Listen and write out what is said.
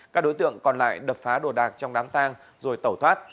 các đối tượng còn lại đập phá đồ đạc trong đám tang rồi tẩu thoát